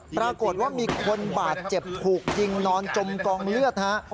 ปรากฏว่ามีคนบาดเจ็บถูกยิงนอนจมกองเลือดฮะ